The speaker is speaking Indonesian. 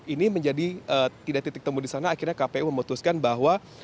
ini menjadi tidak titik temu di sana akhirnya kpu memutuskan bahwa